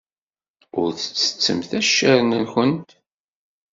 Ur ttettemt accaren-nwent.